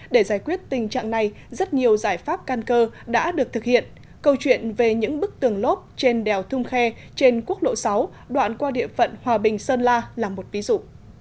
để giải quyết tình trạng này rất nhiều giải pháp can cơ đã được thực hiện câu chuyện về những bức tường lốp trên đèo thung khe trên quốc lộ sáu đoạn qua địa phận hòa bình sơn la là một ví dụ